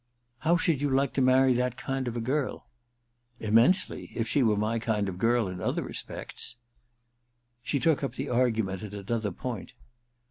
*How should you like to marry that kind of a girl ?'* Immensely — if she were my kind of girl in other respects.* She took up the argument at another point.